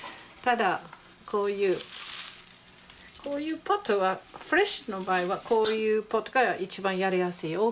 ただこういうこういうポットがフレッシュの場合はこういうポットが一番やりやすい。